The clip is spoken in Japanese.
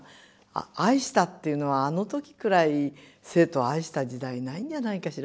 愛したっていうのはあの時くらい生徒を愛した時代ないんじゃないかしらね。